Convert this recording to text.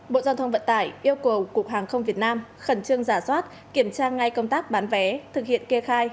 bộ giao thông vận tải yêu cầu cục hàng không việt nam khẩn trương giả soát kiểm tra ngay công tác bán vé thực hiện kê khai